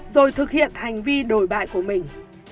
rồi thực hiện hành vi đổi bại của mình